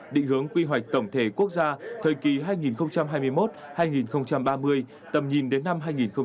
định hướng quy hoạch tổng thể quốc gia thời kỳ hai nghìn hai mươi một hai nghìn ba mươi tầm nhìn đến năm hai nghìn năm mươi